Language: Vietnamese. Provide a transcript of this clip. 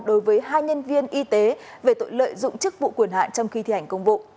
đối với hai nhân viên y tế về tội lợi dụng chức vụ quyền hạn trong khi thi hành công vụ